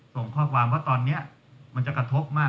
ส่งข้อความว่าตอนนี้มันจะกระทบมาก